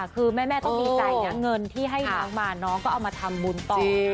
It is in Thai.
คือแม่ต้องดีใจนะเงินที่ให้น้องมาน้องก็เอามาทำบุญต่อ